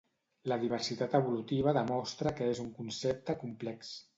La diversitat evolutiva demostra que és un concepte complex.